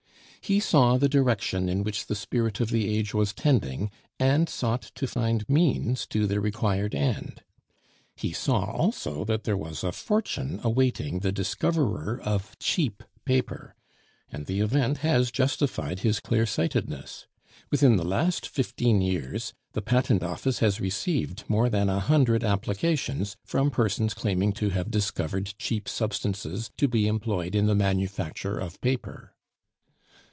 He saw the direction in which the spirit of the age was tending, and sought to find means to the required end. He saw also that there was a fortune awaiting the discoverer of cheap paper, and the event has justified his clearsightedness. Within the last fifteen years, the Patent Office has received more than a hundred applications from persons claiming to have discovered cheap substances to be employed in the manufacture of paper.